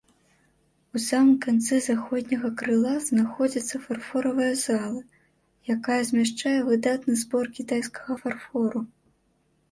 У самым канцы заходняга крыла знаходзіцца фарфоравая зала, якая змяшчае выдатны збор кітайскага фарфору.